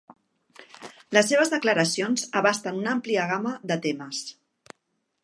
Les seves declaracions abasten una àmplia gamma de temes.